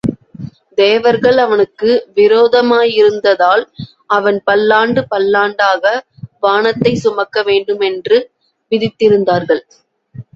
தேவர்கள் அவனுக்கு விரோதமாயிருந்ததால், அவன் பல்லாண்டு பல்லாண்டாக வானத்தைச் சுமக்க வேண்டுமென்று விதித்திருந்தார்கள்.